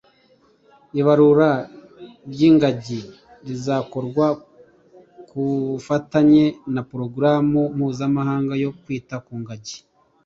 Ibarura ry’ingagi rizakorwa ku bufatanye na Porogaramu mpuzamahanga yo kwita ku ngagi